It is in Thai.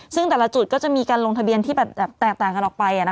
ซึ่งแต่ละจุดก็จะมีการลงทะเบียนที่แตกต่างกันออกไป